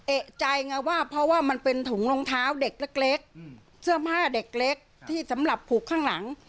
เอกใจไงว่าเพราะว่ามันเป็นถุงรองเท้าเด็กเล็กเสื้อผ้าเด็กเล็กที่สำหรับผูกข้างหลัง